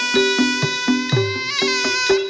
โชว์ที่สุดท้าย